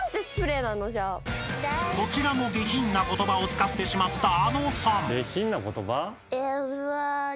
［こちらも下品な言葉を使ってしまった］